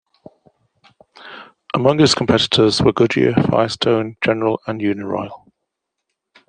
Among its competitors were Goodyear, Firestone, General and Uniroyal.